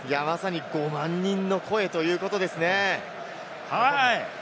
５万人の声ということですね。